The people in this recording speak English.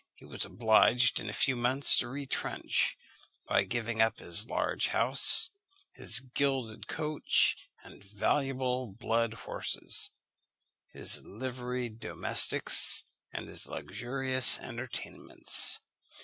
He was obliged in a few months to retrench, by giving up his large house, his gilded coach and valuable blood horses, his liveried domestics, and his luxurious entertainments.